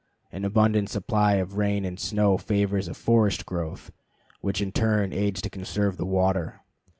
An abundant supply of rain and snow favors a forest growth, which in turn aids to conserve the water.